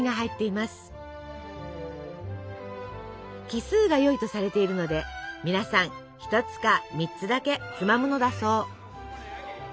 奇数がよいとされているので皆さん１つか３つだけつまむのだそう。